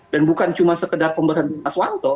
dan bukan cuma sekedar pemberhentian aswanto